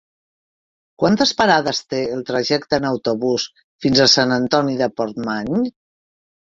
Quantes parades té el trajecte en autobús fins a Sant Antoni de Portmany?